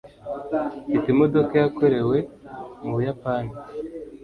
Mfite imodoka yakorewe mu Buyapani.